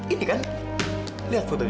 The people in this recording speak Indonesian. ini kan lihat fotonya